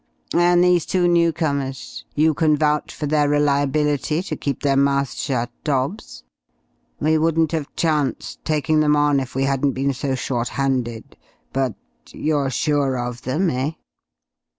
"And these two newcomers? You can vouch for their reliability to keep their mouths shut, Dobbs? We wouldn't have chanced taking them on if we hadn't been so short handed, but ... you're sure of them, eh?"